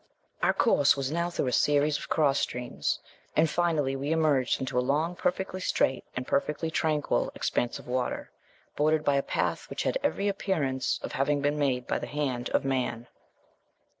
Our course was now through a series of cross streams, and finally we emerged into a long, perfectly straight, and perfectly tranquil expanse of water, bordered by a path which had every appearance of having been made by the hand of man.